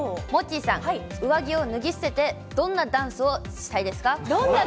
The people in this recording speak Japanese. モッチーさん、上着を脱ぎ捨てて、どんなダンスをしたい？